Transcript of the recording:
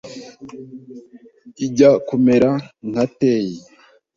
ijya kumera nka teyi